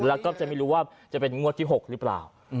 แล้วก็จะไม่รู้ว่าจะเป็นงวดที่๖หรือเปล่า